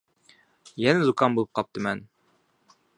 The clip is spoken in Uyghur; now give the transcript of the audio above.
يەنە زۇكام بولۇپ قاپتىمەن.